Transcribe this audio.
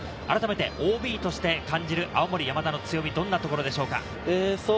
あらためてＯＢとして感じる青森山田の強み、どんなところでしょうか？